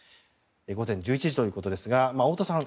午前１１時ということですが太田さん